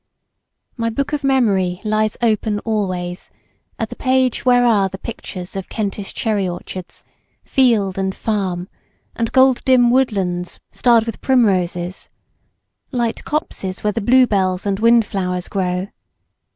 My book of memory lies open always at the page where are the pictures of Kentish cherry orchards, field and farm and gold dim woodlands starred with primroses, light copses where the blue bells and wind flowers grow.